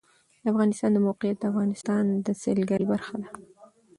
د افغانستان د موقعیت د افغانستان د سیلګرۍ برخه ده.